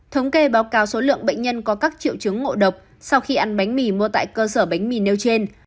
thống kê báo cáo số lượng bệnh nhân có các triệu chứng ngộ độc sau khi ăn bánh mì mua tại cơ sở bánh mì nêu trên